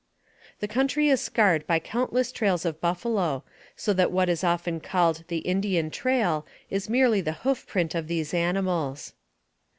The country is scarred by countless trails of buffalo, so that what is often called the Indian trail is merely the hoof print of these animals.